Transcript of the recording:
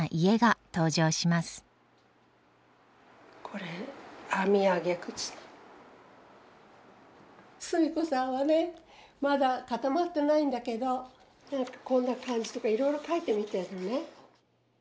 これスミコさんはねまだかたまってないんだけどこんな感じとかいろいろ描いてみてるのね。